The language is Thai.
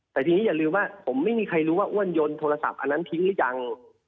แต่ทีนี้อย่าลืมว่าผมไม่มีใครรู้ว่าอ้วนยนโทรศัพท์อันนั้นทิ้งหรือยัง